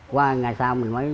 qua ngày sau mình mới